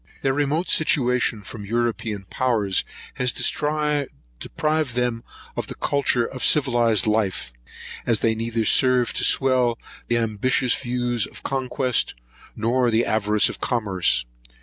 Their remote situation from European powers has deprived them of the culture of civilised life, as they neither serve to swell the ambitious views of conquest, nor the avarice of commerce.